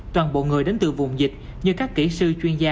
toàn bộ người đến từ vùng dịch như các kỹ sư chuyên gia